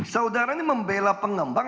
saudara ini membela pengembang